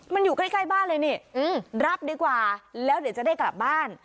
มันอยู่ใกล้บ้านเลยนี่รับดีกว่าแล้วเดี๋ยวจะได้กลับบ้าน